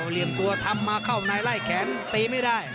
เหลี่ยมตัวทำมาเข้าในไล่แขนตีไม่ได้